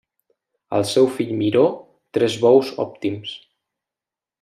Al seu fill Miró tres bous òptims.